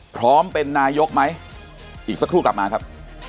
พร้อมเป็นนายกไหมอีกสักครู่กลับมาครับ